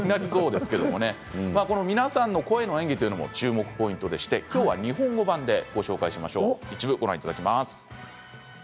皆さんの声の演技も注目ポイントでして今日は日本語版でご紹介しましょう。